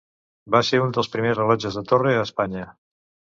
Va ser un dels primers rellotges de torre a Espanya.